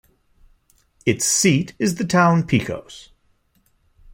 Its seat is the town Picos.